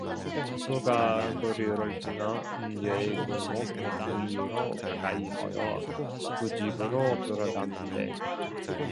그가 거리를 지나 음녀의 골목 모퉁이로 가까이 하여 그 집으로 들어가는데